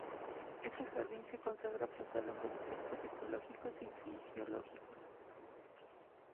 Este jardín se consagra pues a los aspectos ecológicos y fisiológicos.